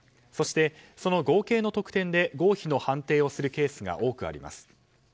そして、その合計の得点で合否の判定をするケースが多くあります。